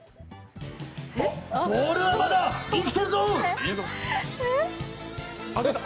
ボールはまだ生きてるぞ！